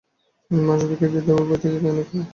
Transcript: মাশরাফি খেপিয়ে দেওয়ার ভয় থেকেই কি না, কে জানে